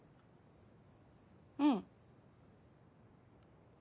うん。